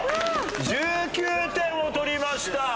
１９点を取りました。